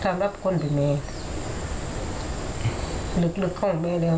ทางโรงเรียน